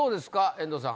遠藤さん